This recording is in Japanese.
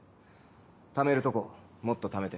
ためるとこもっとためて。